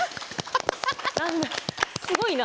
すごいな。